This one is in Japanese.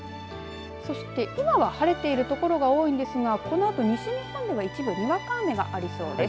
そして今は晴れている所が多いですがこのあと西日本では一部にわか雨がありそうです。